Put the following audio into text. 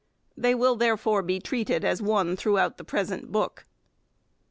They will therefore be treated as one throughout the present book.